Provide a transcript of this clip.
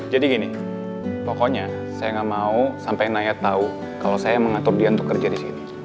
jadi gini pokoknya saya gak mau sampai nayat tau kalau saya mengatur dia untuk kerja disini